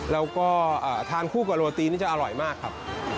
แล้วก็ทานคู่กับโรตีนี่จะอร่อยมากครับ